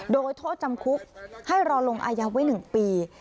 โดยโทษจำคุกให้รอลงอายาไว้๑ปี